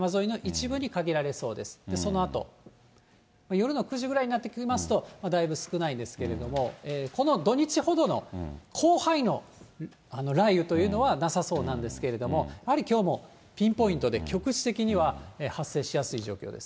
夜の９時ぐらいになってきますと、だいぶ少ないですけれども、この土日ほどの広範囲の雷雨というのはなさそうなんですけれども、やはりきょうもピンポイントで局地的には発生しやすい状況です。